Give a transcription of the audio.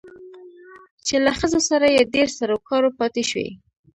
چې له ښځو سره يې ډېر سرو کارو پاتې شوى